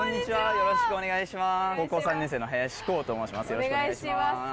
よろしくお願いします。